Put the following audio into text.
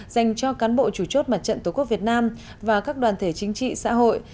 dành cho cán bộ chủ chốt mặt trận tổ quốc việt nam và các đoàn thể chính trị xã hội